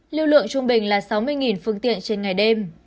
lưu lượng trung bình là sáu mươi phương tiện trên ngày đêm